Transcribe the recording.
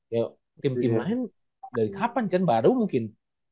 ya tim tim lain dari kapan kan baru mungkin